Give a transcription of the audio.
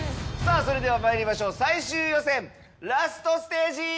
さぁそれではまいりましょう最終予選ＬＡＳＴステージ！